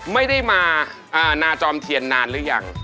ไม่ได้มานาจอมเทียนนานหรือยัง